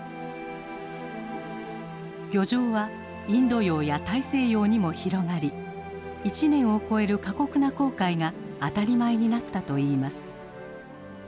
漁場はインド洋や大西洋にも広がり１年を超える過酷な航海が当たり前になったといいます。